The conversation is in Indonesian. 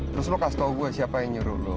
terus lo kasih tau gue siapa yang nyuruh lo